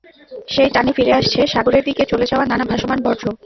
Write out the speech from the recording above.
সেই টানে ফিরে আসছে সাগরের দিকে চলে যাওয়া নানা ভাসমান বর্জ্য।